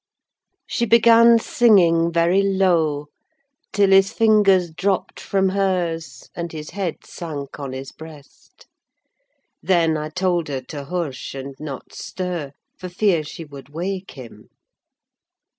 She began singing very low, till his fingers dropped from hers, and his head sank on his breast. Then I told her to hush, and not stir, for fear she should wake him.